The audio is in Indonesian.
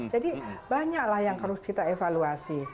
jadi banyaklah yang harus kita evaluasi